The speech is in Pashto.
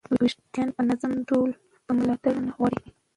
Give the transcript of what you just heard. ویښتان په منظم ډول پاملرنه غواړي.